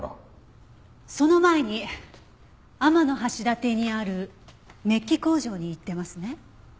その前に天橋立にあるメッキ工場に行ってますね？